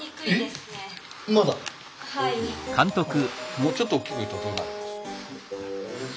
もうちょっと大きく言うとどうなるんです？